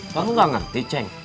kamu gak ngerti ceng